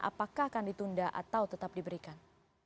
apakah akan ditunda atau tetap diberikan